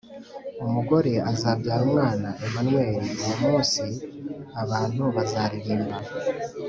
umugore azabyara umwana, emanueli. uwo munsi abantubazaririmba